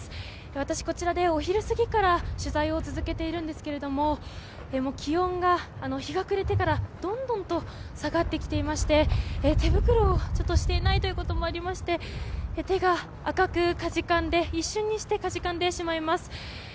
私、こちらでお昼過ぎから取材を続けているんですが気温が日が暮れてからどんどんと下がってきていて手袋をしていないということもありまして手が赤く、一瞬にしてかじかんでしまいます。